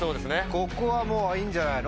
ここはもういいんじゃないの？